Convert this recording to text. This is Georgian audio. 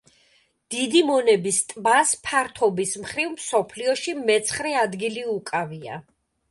დიდი მონების ტბას ფართობის მხრივ მსოფლიოში მეცხრე ადგილი უკავია.